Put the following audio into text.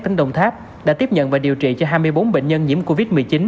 tỉnh đồng tháp đã tiếp nhận và điều trị cho hai mươi bốn bệnh nhân nhiễm covid một mươi chín